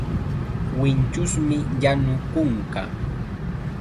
Winchusmi llanu kunka.